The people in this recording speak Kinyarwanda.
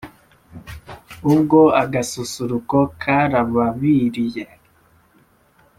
ubwo agasusuruko karababiriye,